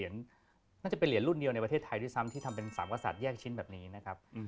น่าจะเป็นเหรียญรุ่นเดียวในประเทศไทยด้วยซ้ำที่ทำเป็น๓กษัตวแยกชิ้นแบบนี้นะครับ